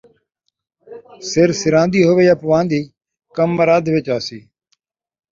سر سران٘دی یا پوان٘دی ، کمر ادھ وِچ آسی